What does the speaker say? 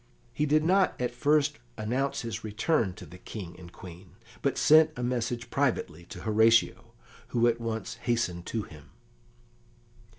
He did not at first announce his return to the King and Queen, but sent a message privately to Horatio, who at once hastened to him.